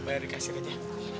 barang dikasih gaya